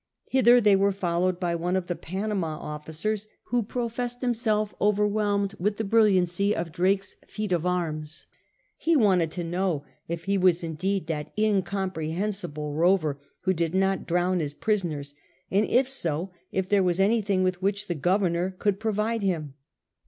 Hither they were followed by one of the Panama officers, who professed himself overwhelmed with the brilliancy of Drake's feat of arms. He wanted to know if he was indeed that incomprehensible rover who did not drown his prisoners ; and if so, if there was anything with which the Governor could provide him.